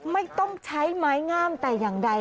ไม่ต้องใช้ไม้งามแต่อย่างใด